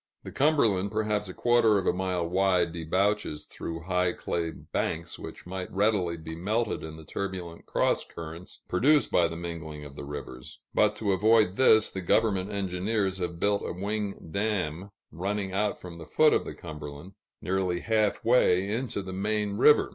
The Cumberland, perhaps a quarter of a mile wide, debouches through high clay banks, which might readily be melted in the turbulent cross currents produced by the mingling of the rivers; but to avoid this, the government engineers have built a wing dam running out from the foot of the Cumberland, nearly half way into the main river.